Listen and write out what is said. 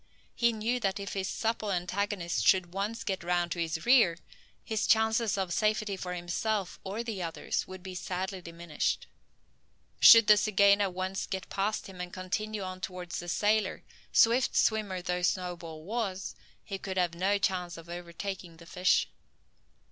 He knew that if his supple antagonist could once get round to his rear, his chances of safety for himself or the others would be sadly diminished. Should the zygaena once get past him and continue on towards the sailor, swift swimmer as Snowball was, he could have no chance of overtaking a fish.